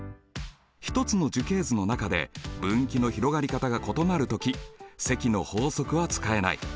１つの樹形図の中で分岐の広がり方が異なる時積の法則は使えない。